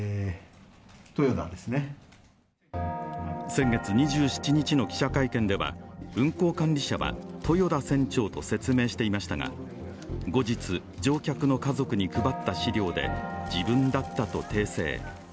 先月２７日の記者会見では運航管理者は豊田船長と説明していましたが後日、乗客の家族に配った資料で自分だったと訂正。